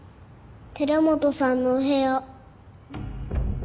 寺本さんのお部屋。